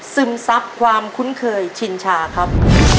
ซึมซับความคุ้นเคยชินชาครับ